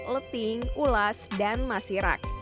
leting ulas dan masirak